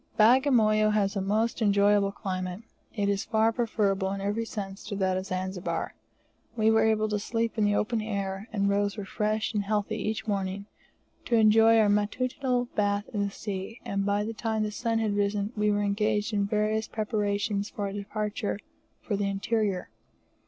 Bagamoyo has a most enjoyable climate. It is far preferable in every sense to that of Zanzibar. We were able to sleep in the open air, and rose refreshed and healthy each morning, to enjoy our matutinal bath in the sea; and by the time the sun had risen we were engaged in various preparations for our departure for the interior.